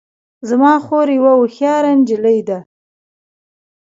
زما خور یوه هوښیاره نجلۍ ده